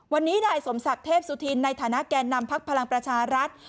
วันนี้นายสมศักดิ์เทพสุธินในฐานะแก่นำพักพลังประชารัฐ